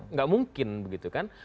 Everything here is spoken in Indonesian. nggak mungkin begitu kan